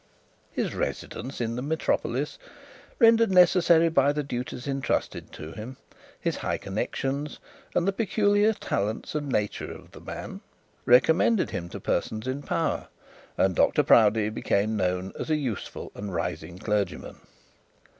His residence in the metropolis, rendered necessary by the duties entrusted to him, his high connections, and the peculiar talents and nature of the man, recommended him to persons in power; and Dr Proudie became known as a useful and rising clergyman.